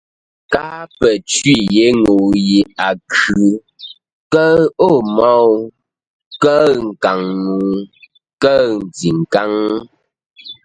Káa pə́ cwî yé ŋuu yi a khʉ, kəʉ o môu, kəʉ nkaŋ-ŋuu, kəʉ ntikáŋ.